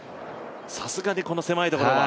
さすがに、この狭いところは。